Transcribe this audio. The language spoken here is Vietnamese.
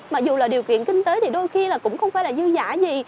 mặc dù là điều kiện kinh tế thì đôi khi cũng không phải là dư giã gì